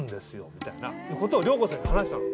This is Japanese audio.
みたいなことを良子さんに話したの。